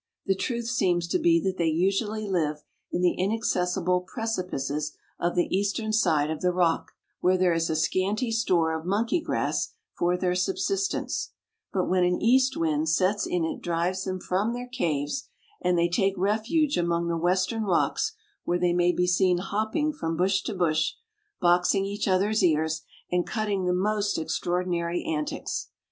The truth seems to be that they usually live in the inaccessible precipices of the eastern side of the rock, where there is a scanty store of monkey grass for their subsistence; but when an east wind sets in it drives them from their caves, and they take refuge among the western rocks, where they may be seen hopping from bush to bush, boxing each other's ears, and cutting the most extraordinary antics.